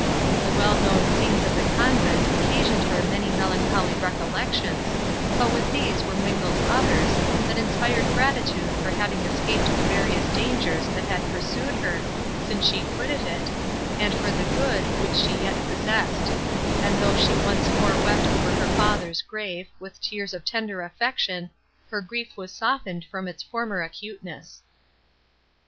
The well known scenes of the convent occasioned her many melancholy recollections, but with these were mingled others, that inspired gratitude for having escaped the various dangers, that had pursued her, since she quitted it, and for the good, which she yet possessed; and, though she once more wept over her father's grave, with tears of tender affection, her grief was softened from its former acuteness.